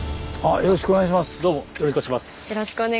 よろしくお願いします。